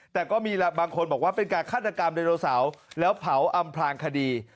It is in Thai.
แต่ก็มีบางคนบอกว่าเป็นการฆาตกรรมไดโนเสาร์แล้วเผาอำพลางคดี